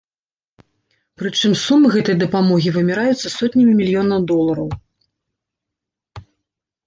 Прычым, сумы гэтай дапамогі вымяраюцца сотнямі мільёнаў долараў.